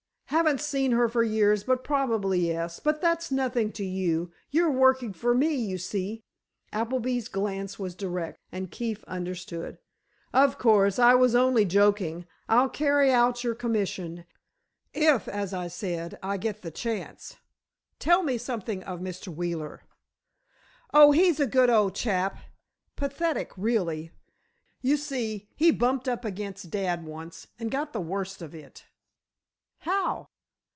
"Haven't seen her for years, but probably, yes. But that's nothing to you. You're working for me, you see." Appleby's glance was direct, and Keefe understood. "Of course; I was only joking. I'll carry out your commission, if, as I said, I get the chance. Tell me something of Mr. Wheeler." "Oh, he's a good old chap. Pathetic, rather. You see, he bumped up against dad once, and got the worst of it." "How?"